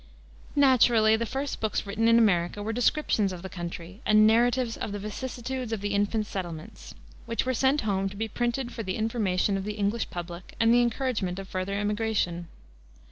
Naturally, the first books written in America were descriptions of the country and narratives of the vicissitudes of the infant settlements, which were sent home to be printed for the information of the English public and the encouragement of further immigration.